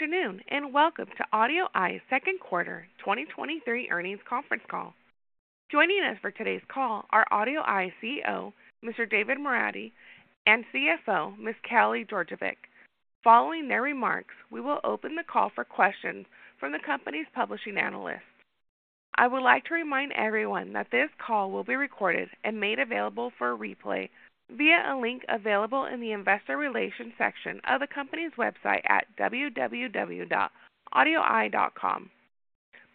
Good afternoon, and welcome to AudioEye's second quarter 2023 earnings conference call. Joining us for today's call are AudioEye's CEO, Mr. David Moradi, and CFO, Ms. Kelly Georgevich. Following their remarks, we will open the call for questions from the company's publishing analysts. I would like to remind everyone that this call will be recorded and made available for replay via a link available in the investor relations section of the company's website at www.audioeye.com.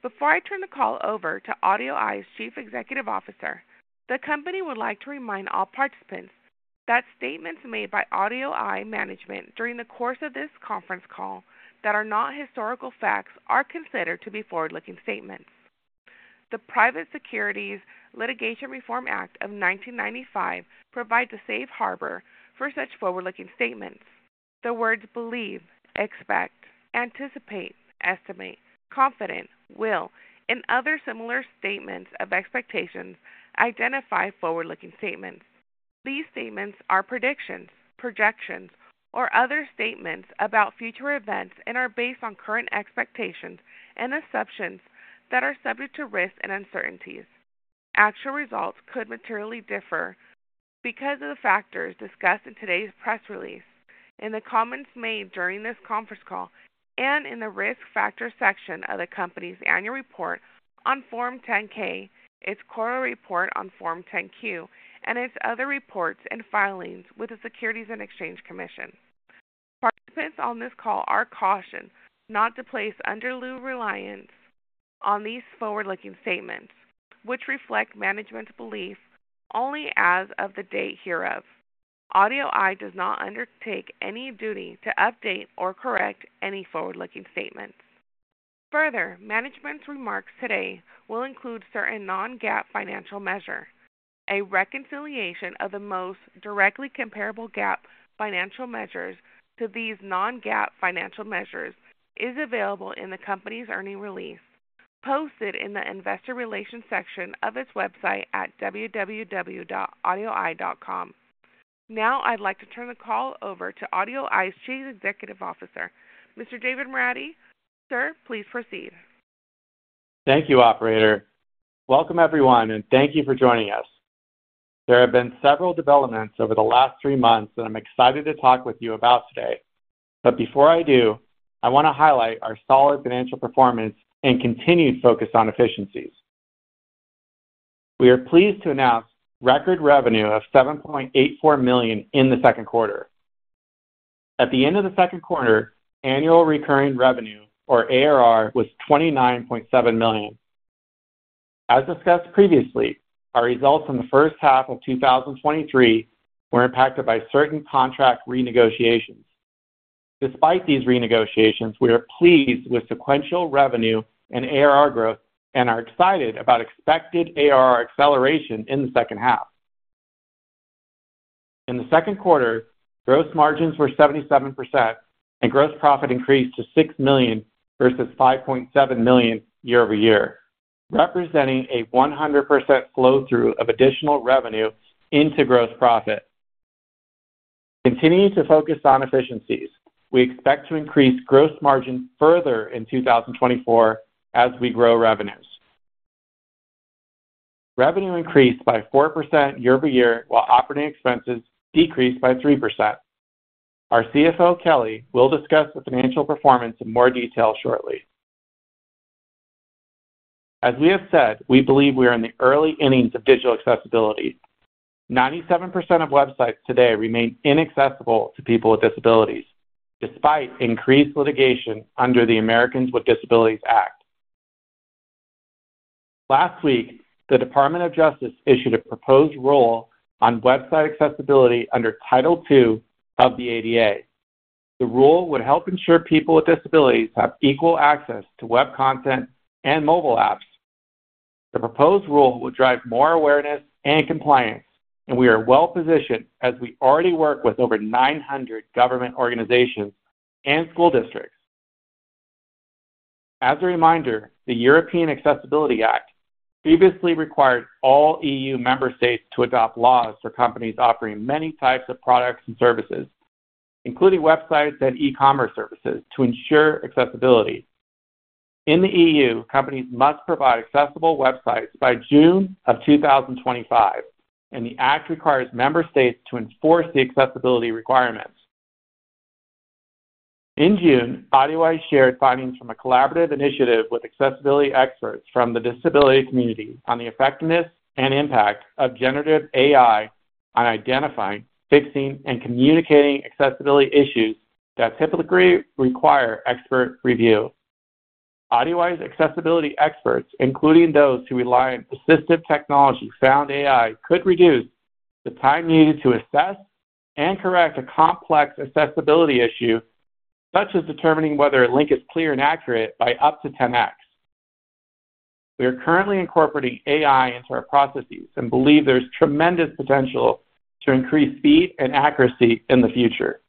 Before I turn the call over to AudioEye's Chief Executive Officer, the company would like to remind all participants that statements made by AudioEye management during the course of this conference call that are not historical facts are considered to be forward-looking statements. The Private Securities Litigation Reform Act of 1995 provides a safe harbor for such forward-looking statements. The words believe, expect, anticipate, estimate, confident, will, and other similar statements of expectations identify forward-looking statements. These statements are predictions, projections, or other statements about future events and are based on current expectations and assumptions that are subject to risks and uncertainties. Actual results could materially differ because of the factors discussed in today's press release and the comments made during this conference call and in the risk factors section of the company's annual report on Form 10-K, its quarterly report on Form 10-Q, and its other reports and filings with the Securities and Exchange Commission. Participants on this call are cautioned not to place undue reliance on these forward-looking statements, which reflect management's belief only as of the date hereof. AudioEye does not undertake any duty to update or correct any forward-looking statements. Further, management's remarks today will include certain non-GAAP financial measures. A reconciliation of the most directly comparable GAAP financial measures to these non-GAAP financial measures is available in the company's earnings release, posted in the investor relations section of its website at www.audioeye.com. I'd like to turn the call over to AudioEye's Chief Executive Officer, Mr. David Moradi. Sir, please proceed. Thank you, operator. Welcome, everyone, and thank you for joining us. There have been several developments over the last three months that I'm excited to talk with you about today. Before I do, I want to highlight our solid financial performance and continued focus on efficiencies. We are pleased to announce record revenue of $7.84 million in the second quarter. At the end of the second quarter, annual recurring revenue, or ARR, was $29.7 million. As discussed previously, our results in the first half of 2023 were impacted by certain contract renegotiations. Despite these renegotiations, we are pleased with sequential revenue and ARR growth and are excited about expected ARR acceleration in the second half. In the second quarter, gross margins were 77%, and gross profit increased to $6 million versus $5.7 million year-over-year, representing a 100% flow-through of additional revenue into gross profit. Continuing to focus on efficiencies, we expect to increase gross margin further in 2024 as we grow revenues. Revenue increased by 4% year-over-year, while operating expenses decreased by 3%. Our CFO, Kelly, will discuss the financial performance in more detail shortly. As we have said, we believe we are in the early innings of digital accessibility. 97% of websites today remain inaccessible to people with disabilities, despite increased litigation under the Americans with Disabilities Act. Last week, the Department of Justice issued a proposed rule on website accessibility under Title II of the ADA. The rule would help ensure people with disabilities have equal access to web content and mobile apps. The proposed rule will drive more awareness and compliance, and we are well-positioned as we already work with over 900 government organizations and school districts. As a reminder, the European Accessibility Act previously required all EU member states to adopt laws for companies offering many types of products and services, including websites and e-commerce services, to ensure accessibility. In the EU, companies must provide accessible websites by June of 2025, and the Act requires member states to enforce the accessibility requirements. In June, AudioEye shared findings from a collaborative initiative with accessibility experts from the disability community on the effectiveness and impact of generative AI on identifying, fixing, and communicating accessibility issues that typically require expert review. AudioEye's accessibility experts, including those who rely on assistive technology, found AI could reduce the time needed to assess and correct a complex accessibility issue, such as determining whether a link is clear and accurate by up to 10x. We are currently incorporating AI into our processes and believe there's tremendous potential to increase speed and accuracy in the future.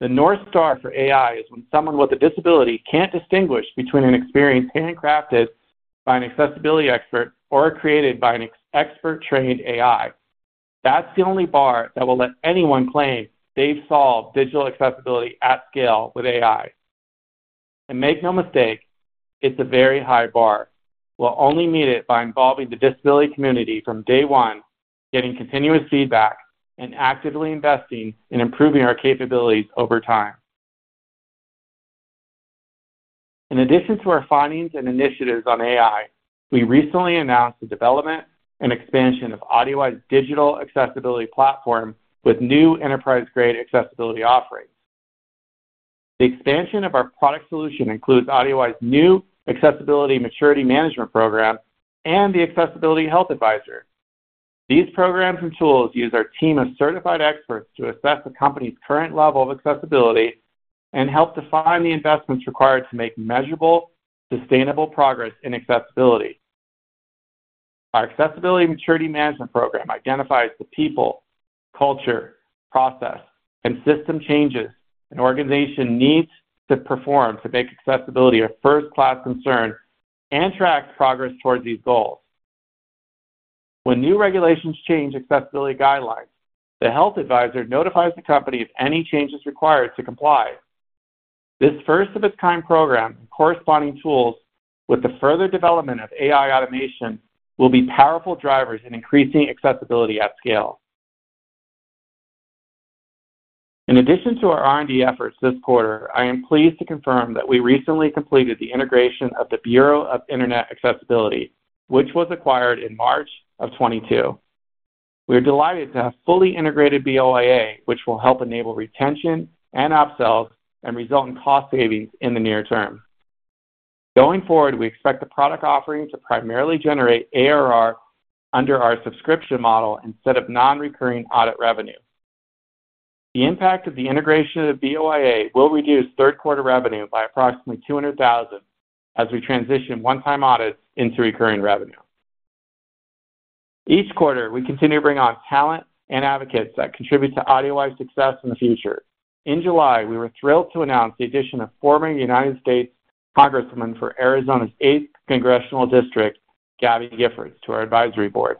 The North Star for AI is when someone with a disability can't distinguish between an experience handcrafted by an accessibility expert or created by an expert-trained AI. That's the only bar that will let anyone claim they've solved digital accessibility at scale with AI. Make no mistake, it's a very high bar. We'll only meet it by involving the disability community from day one, getting continuous feedback, and actively investing in improving our capabilities over time. In addition to our findings and initiatives on AI, we recently announced the development and expansion of AudioEye's digital accessibility platform with new enterprise-grade accessibility offerings. The expansion of our product solution includes AudioEye's new Accessibility Maturity Management Program and the Accessibility Health Advisor. These programs and tools use our team of certified experts to assess a company's current level of accessibility and help define the investments required to make measurable, sustainable progress in accessibility. Our Accessibility Maturity Management Program identifies the people, culture, process, and system changes an organization needs to perform to make accessibility a first-class concern and track progress towards these goals. When new regulations change accessibility guidelines, the health advisor notifies the company of any changes required to comply. This first-of-its-kind program and corresponding tools with the further development of AI automation will be powerful drivers in increasing accessibility at scale. In addition to our R&D efforts this quarter, I am pleased to confirm that we recently completed the integration of the Bureau of Internet Accessibility, which was acquired in March of 2022. We are delighted to have fully integrated BoIA, which will help enable retention and upsells and result in cost savings in the near term. Going forward, we expect the product offering to primarily generate ARR under our subscription model instead of non-recurring audit revenue. The impact of the integration of BoIA will reduce third quarter revenue by approximately $200,000 as we transition one-time audits into recurring revenue. Each quarter, we continue to bring on talent and advocates that contribute to AudioEye's success in the future. In July, we were thrilled to announce the addition of former United States Congressman for Arizona's eighth Congressional District, Gabby Giffords, to our advisory board.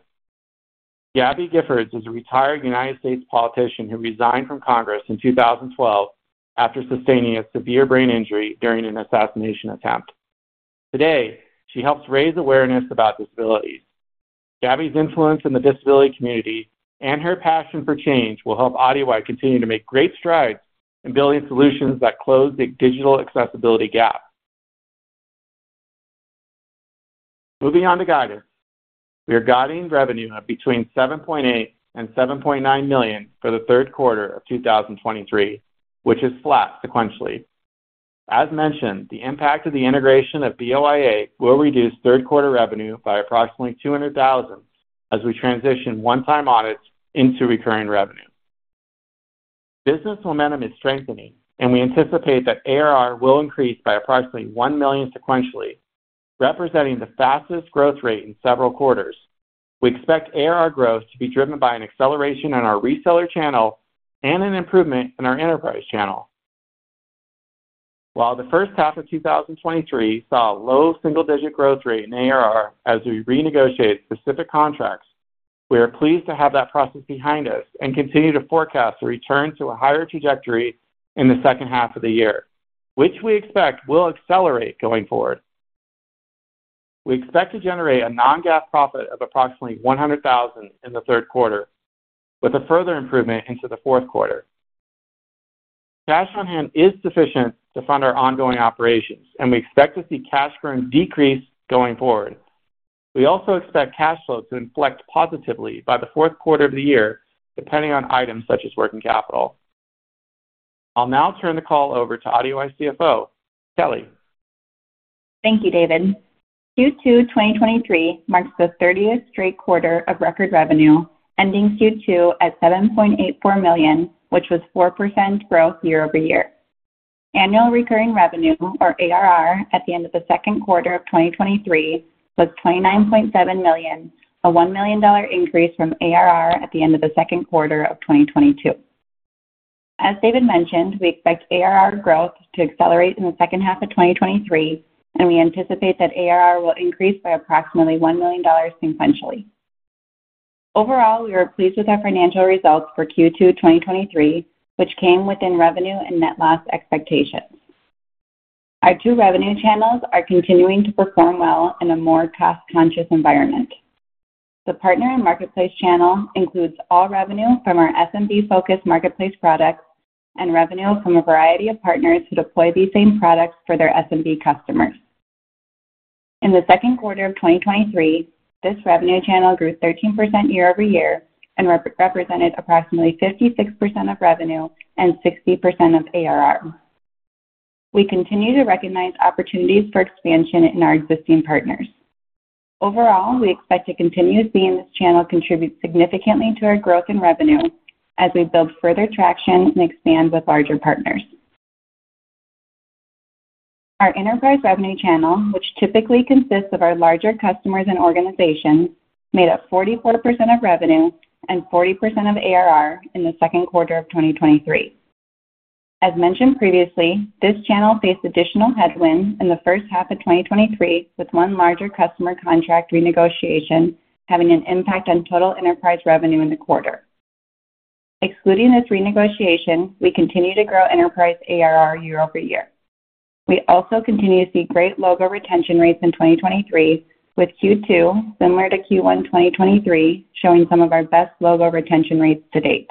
Gabby Giffords is a retired United States politician who resigned from Congress in 2012 after sustaining a severe brain injury during an assassination attempt. Today, she helps raise awareness about disabilities. Gabby's influence in the disability community and her passion for change will help AudioEye continue to make great strides in building solutions that close the digital accessibility gap. Moving on to guidance. We are guiding revenue of between $7.8 million and $7.9 million for the third quarter of 2023, which is flat sequentially. As mentioned, the impact of the integration of BoIA will reduce third quarter revenue by approximately $200,000 as we transition one-time audits into recurring revenue. Business momentum is strengthening, and we anticipate that ARR will increase by approximately $1 million sequentially, representing the fastest growth rate in several quarters. We expect ARR growth to be driven by an acceleration in our reseller channel and an improvement in our enterprise channel. While the first half of 2023 saw a low single-digit growth rate in ARR as we renegotiated specific contracts, we are pleased to have that process behind us and continue to forecast a return to a higher trajectory in the second half of the year, which we expect will accelerate going forward. We expect to generate a non-GAAP profit of approximately $100,000 in the third quarter, with a further improvement into the fourth quarter. Cash on hand is sufficient to fund our ongoing operations, and we expect to see cash burn decrease going forward. We also expect cash flow to inflect positively by the fourth quarter of the year, depending on items such as working capital. I'll now turn the call over to AudioEye's CFO, Kelly. Thank you, David. Q2 2023 marks the thirtieth straight quarter of record revenue, ending Q2 at $7.84 million, which was 4% growth year-over-year. Annual recurring revenue, or ARR, at the end of the second quarter of 2023 was $29.7 million, a $1 million increase from ARR at the end of the second quarter of 2022. As David mentioned, we expect ARR growth to accelerate in the second half of 2023, and we anticipate that ARR will increase by approximately $1 million sequentially. Overall, we are pleased with our financial results for Q2 2023, which came within revenue and net loss expectations. Our two revenue channels are continuing to perform well in a more cost-conscious environment. The partner and marketplace channel includes all revenue from our SMB-focused marketplace products and revenue from a variety of partners who deploy these same products for their SMB customers. In the second quarter of 2023, this revenue channel grew 13% year-over-year and represented approximately 56% of revenue and 60% of ARR. We continue to recognize opportunities for expansion in our existing partners. Overall, we expect to continue seeing this channel contribute significantly to our growth in revenue as we build further traction and expand with larger partners. Our enterprise revenue channel, which typically consists of our larger customers and organizations, made up 44% of revenue and 40% of ARR in the second quarter of 2023. As mentioned previously, this channel faced additional headwinds in the first half of 2023, with one larger customer contract renegotiation having an impact on total enterprise revenue in the quarter. Excluding this renegotiation, we continue to grow enterprise ARR year-over-year. We also continue to see great logo retention rates in 2023, with Q2, similar to Q1 2023, showing some of our best logo retention rates to date.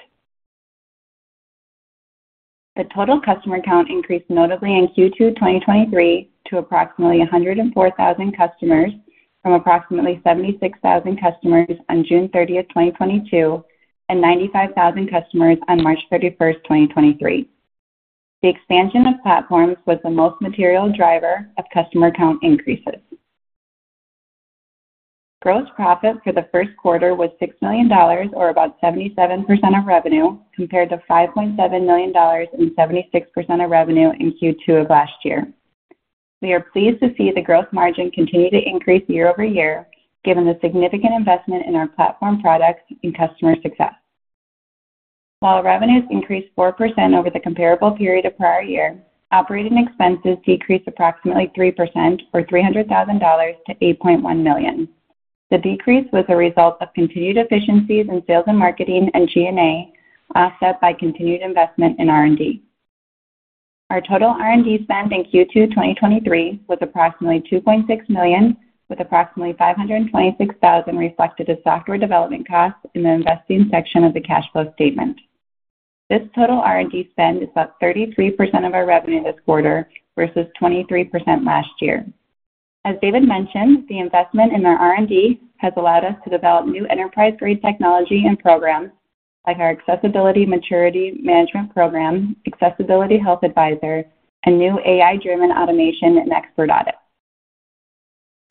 The total customer count increased notably in Q2 2023 to approximately 104,000 customers, from approximately 76,000 customers on June 30th, 2022, and 95,000 customers on March 31st, 2023. The expansion of platforms was the most material driver of customer count increases. Gross profit for the first quarter was $6 million, or about 77% of revenue, compared to $5.7 million and 76% of revenue in Q2 of last year. We are pleased to see the growth margin continue to increase year-over-year, given the significant investment in our platform products and customer success. While revenues increased 4% over the comparable period of prior year, operating expenses decreased approximately 3% or $300,000 to $8.1 million. The decrease was a result of continued efficiencies in sales and marketing and G&A, offset by continued investment in R&D. Our total R&D spend in Q2, 2023, was approximately $2.6 million, with approximately $526,000 reflected as software development costs in the investing section of the cash flow statement. This total R&D spend is up 33% of our revenue this quarter, versus 23% last year. As David mentioned, the investment in our R&D has allowed us to develop new enterprise-grade technology and programs, like our Accessibility Maturity Management Program, Accessibility Health Advisor, and new AI-driven automation in Expert Audit.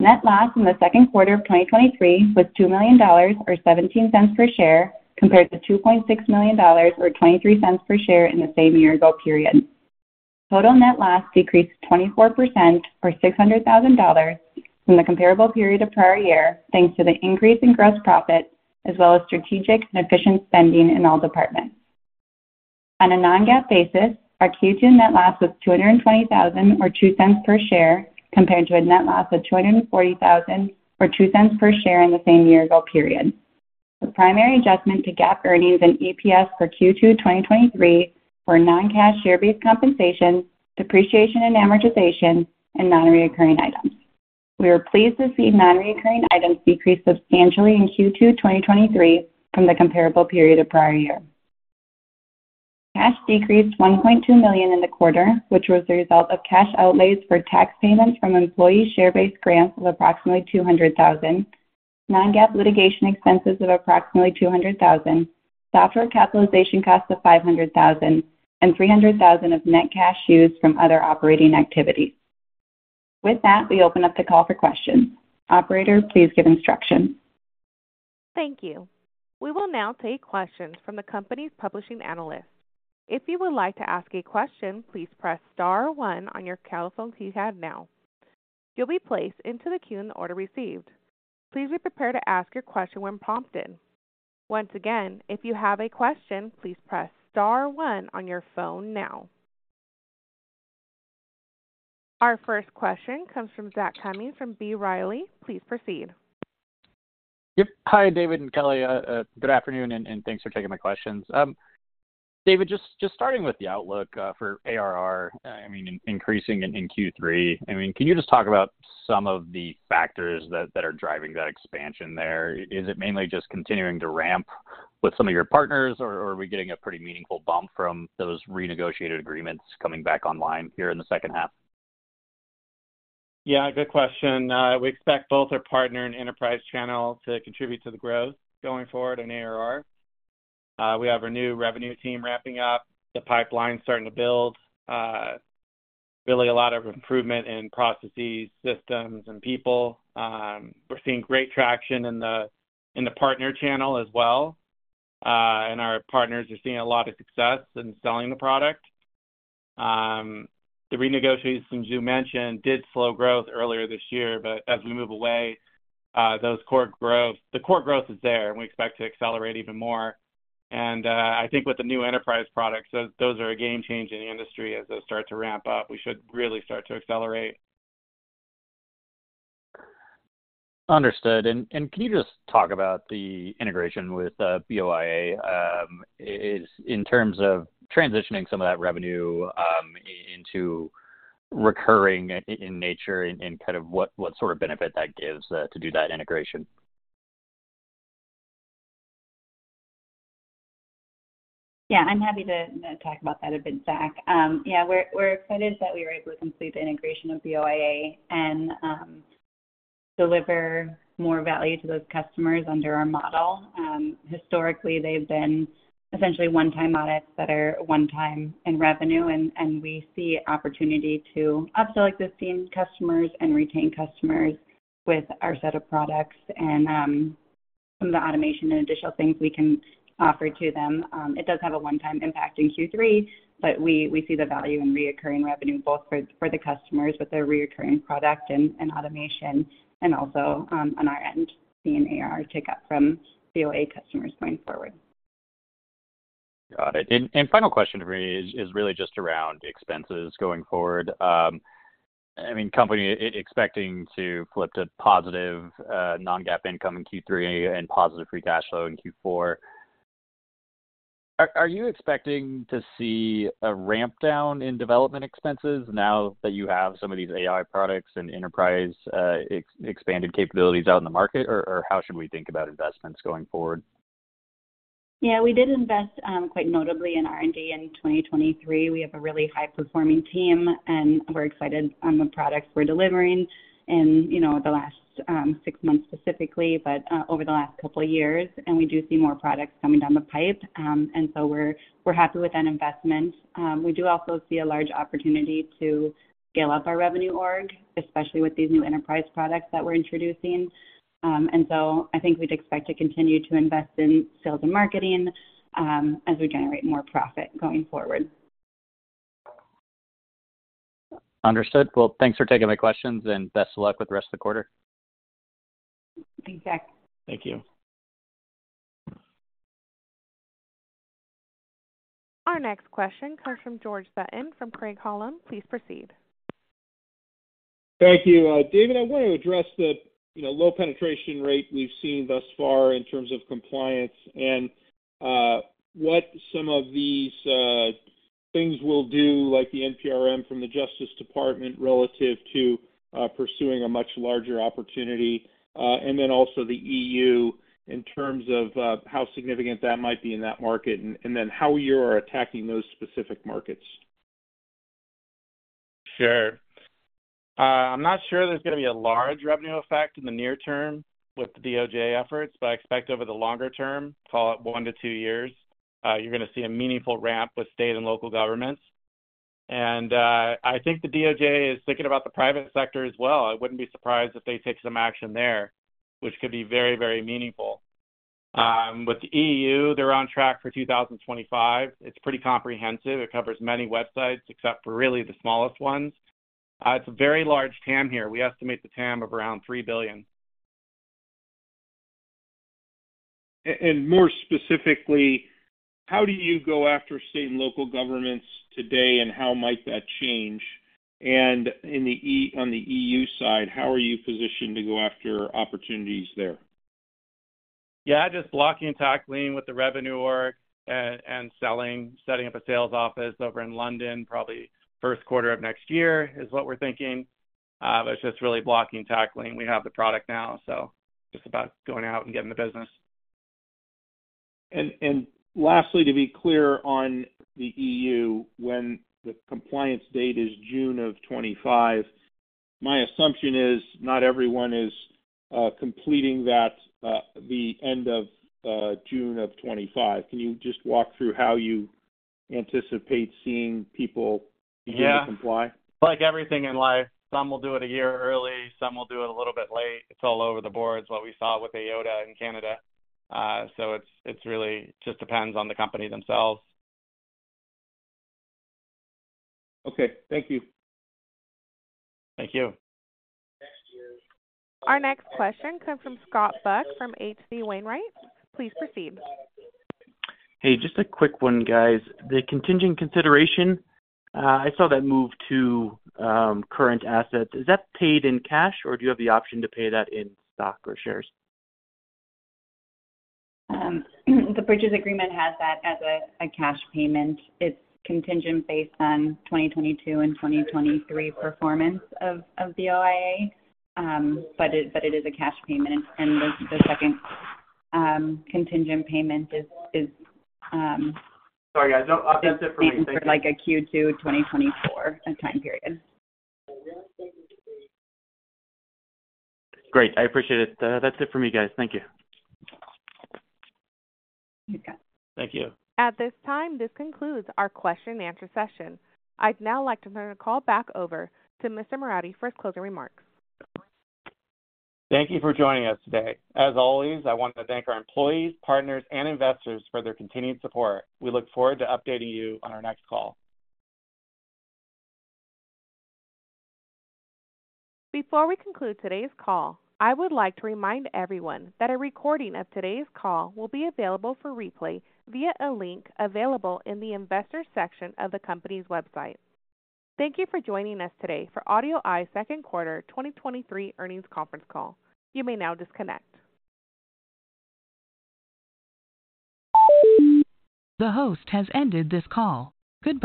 Net loss in the second quarter of 2023 was $2 million, or $0.17 per share, compared to $2.6 million, or $0.23 per share in the same year ago period. Total net loss decreased 24%, or $600,000 from the comparable period of prior year, thanks to the increase in gross profit, as well as strategic and efficient spending in all departments. On a non-GAAP basis, our Q2 net loss was $220,000 or $0.02 per share, compared to a net loss of $240,000 or $0.02 per share in the same year ago period. The primary adjustment to GAAP earnings and EPS for Q2, 2023, were non-cash share-based compensation, depreciation and amortization, and non-recurring items. We are pleased to see non-recurring items decrease substantially in Q2, 2023 from the comparable period of prior year. Cash decreased $1.2 million in the quarter, which was the result of cash outlays for tax payments from employee share-based grants of approximately $200,000, non-GAAP litigation expenses of approximately $200,000, software capitalization costs of $500,000, and $300,000 of net cash used from other operating activities. With that, we open up the call for questions. Operator, please give instructions. Thank you. We will now take questions from the company's publishing analysts. If you would like to ask a question, please press star one on your telephone keypad now. You'll be placed into the queue in the order received. Please be prepared to ask your question when prompted. Once again, if you have a question, please press star one on your phone now. Our first question comes from Zach Cummins from B. Riley. Please proceed. Yep. Hi, David and Kelly. Good afternoon, and thanks for taking my questions. David, just starting with the outlook for ARR, I mean, increasing in Q3. I mean, can you just talk about some of the factors that are driving that expansion there? Is it mainly just continuing to ramp with some of your partners, or are we getting a pretty meaningful bump from those renegotiated agreements coming back online here in the second half? Yeah, good question. We expect both our partner and enterprise channel to contribute to the growth going forward in ARR. We have our new revenue team ramping up, the pipeline starting to build, really a lot of improvement in processes, systems, and people. We're seeing great traction in the, in the partner channel as well. Our partners are seeing a lot of success in selling the product. The renegotiations you mentioned did slow growth earlier this year, but as we move away, the core growth is there, and we expect to accelerate even more. I think with the new enterprise products, those, those are a game changer in the industry. As those start to ramp up, we should really start to accelerate. Understood. And can you just talk about the integration with BoIA in terms of transitioning some of that revenue into recurring in nature and kind of what, what sort of benefit that gives to do that integration? Yeah, I'm happy to, to talk about that a bit, Zach. Yeah, we're, we're excited that we were able to complete the integration of BoIA and deliver more value to those customers under our model. Historically, they've been essentially one-time audits that are one time in revenue, and we see opportunity to upsell existing customers and retain customers with our set of products and some of the automation and additional things we can offer to them. It does have a one-time impact in Q3, but we, we see the value in recurring revenue, both for, for the customers with their recurring product and automation, and also on our end, seeing ARR tick up from BoIA customers going forward. Got it. Final question for me is, is really just around expenses going forward. I mean, company expecting to flip to positive non-GAAP income in Q3 and positive free cash flow in Q4. Are you expecting to see a ramp down in development expenses now that you have some of these AI products and enterprise expanded capabilities out in the market? Or how should we think about investments going forward? Yeah, we did invest, quite notably in R&D in 2023. We have a really high-performing team, and we're excited on the products we're delivering in, you know, the last six months specifically, but over the last couple of years. We do see more products coming down the pipe. We're, we're happy with that investment. We do also see a large opportunity to scale up our revenue org, especially with these new enterprise products that we're introducing. I think we'd expect to continue to invest in sales and marketing, as we generate more profit going forward. Understood. Well, thanks for taking my questions, and best of luck with the rest of the quarter. Thanks, Zach. Thank you. Our next question comes from George Sutton from Craig-Hallum. Please proceed. Thank you. David, I want to address the, you know, low penetration rate we've seen thus far in terms of compliance and what some of these things will do, like the NPRM from the Department of Justice, relative to pursuing a much larger opportunity. Then also the EU, in terms of how significant that might be in that market, and then how you are attacking those specific markets. Sure. I'm not sure there's going to be a large revenue effect in the near term with the DOJ efforts, but I expect over the longer term, call it one to two years, you're gonna see a meaningful ramp with state and local governments. I think the DOJ is thinking about the private sector as well. I wouldn't be surprised if they take some action there, which could be very, very meaningful. With the EU, they're on track for 2025. It's pretty comprehensive. It covers many websites, except for really the smallest ones. It's a very large TAM here. We estimate the TAM of around $3 billion. More specifically, how do you go after state and local governments today, and how might that change? In the on the EU side, how are you positioned to go after opportunities there? Yeah, just blocking and tackling with the revenue org, and selling. Setting up a sales office over in London, probably first quarter of next year is what we're thinking. It's just really blocking and tackling. We have the product now, just about going out and getting the business. Lastly, to be clear on the EU, when the compliance date is June of 25, my assumption is not everyone is completing that, the end of June of 25. Can you just walk through how you anticipate seeing people begin to comply? Yeah, like everything in life, some will do it a year early, some will do it a little bit late. It's all over the board. It's what we saw with AODA in Canada. It's, it's really just depends on the company themselves. Okay. Thank you. Thank you. Our next question comes from Scott Buck from H.C. Wainwright. Please proceed. Hey, just a quick one, guys. The contingent consideration, I saw that move to current assets. Is that paid in cash, or do you have the option to pay that in stock or shares? The purchase agreement has that as a cash payment. It's contingent based on 2022 and 2023 performance of BoIA. It is a cash payment, and the second contingent payment is for, like, a Q2 2024, time period. Sorry, guys. No, that's it for me. Great. I appreciate it. That's it for me, guys. Thank you. Okay. Thank you. At this time, this concludes our question and answer session. I'd now like to turn the call back over to Mr. Moradi for his closing remarks. Thank you for joining us today. As always, I want to thank our employees, partners, and investors for their continued support. We look forward to updating you on our next call. Before we conclude today's call, I would like to remind everyone that a recording of today's call will be available for replay via a link available in the Investors section of the company's website. Thank you for joining us today for AudioEye's second quarter 2023 earnings conference call. You may now disconnect. The host has ended this call. Goodbye.